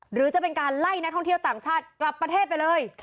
หรือจะเป็นการไล่นักท่องเที่ยวต่างชาติกลับประเทศไปเลย